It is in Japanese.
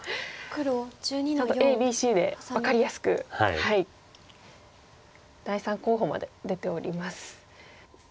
ＡＢＣで分かりやすく第３候補まで出ております。